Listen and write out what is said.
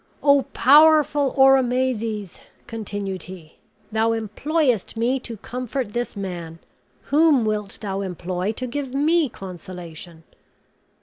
"O powerful Oromazes!" continued he, "thou employest me to comfort this man; whom wilt thou employ to give me consolation?"